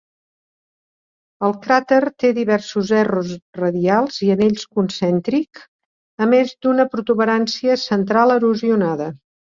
El cràter té diversos erros radials i anells concèntric, a més d"una protuberància central erosionada.